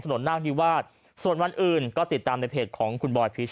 นางนิวาสส่วนวันอื่นก็ติดตามในเพจของคุณบอยพีช